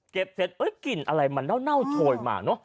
เก็บเสร็จกลิ่นอะไรมันน่าวโชยมาก